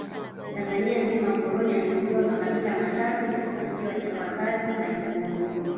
Tanzania nzima mkoloni aligundua makabila maatatu kuwa ndio wachapa kazi za mikono